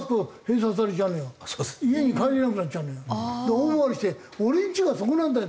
大回りして「俺んちはそこなんだよ」